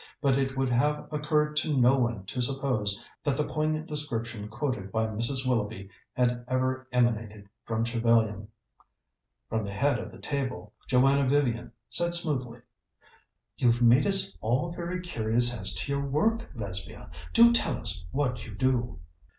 But it would have occurred to no one to suppose that the poignant description quoted by Mrs. Willoughby had ever emanated from Trevellyan. From the head of the table Joanna Vivian said smoothly: "You've made us all very curious as to your work, Lesbia. Do tell us what you do."